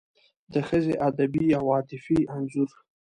د ښځې ادبي او عاطفي انځور